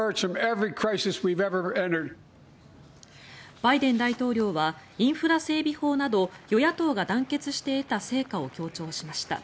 バイデン大統領はインフラ整備法など与野党が団結して得た成果を強調しました。